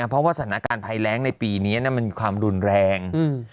เพราะว่าสถานการณ์ภัยแรงในปีนี้มันมีความรุนแรง